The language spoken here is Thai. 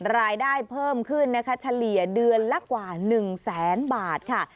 รายได้เพิ่มขึ้นนะคะเฉลี่ยเดือนละกว่า๑แสนบาทค่ะ